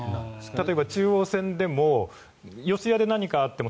例えば、中央線でも四谷で何かあっても